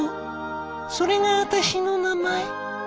それが私の名前。